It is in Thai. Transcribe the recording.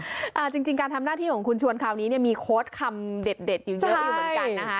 มาจริงการทำหน้าที่ของคุณชวนคราวนี้เนี่ยมีคสคำเด็ดอยู่เหมือนกัน